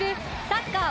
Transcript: サッカー